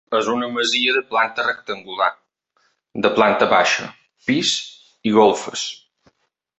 És una masia de planta rectangular, de planta baixa, pis i golfes.